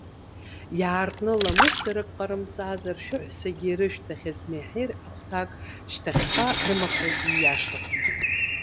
Иаартны ламысдарак ҟарымҵазар, шәыҳәсагьы ирышәҭахьаз меҳир ахәҭак шьҭахьҟа рымхрагьы ииашахом.